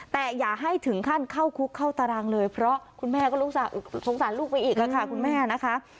แต่อย่าให้ถึงขั้นเข้าคุกเข้าตารางเลยเพราะคุณแม่ก็สงสารลูกไปอีกค่ะคุณแม่นะคะ